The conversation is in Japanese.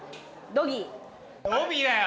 ドビーだよ。